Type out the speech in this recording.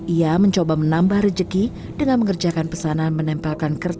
ia mencoba menambah rejeki dengan mengerjakan pesanan menempelkan kerja